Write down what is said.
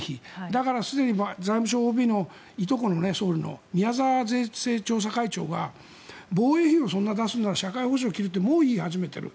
だからすでに財務省ＯＢの宮沢税制調査会長は防衛費をそんなに出すなら社会保障費を切るってもう言い始めている。